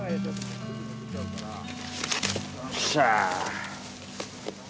よっしゃあ！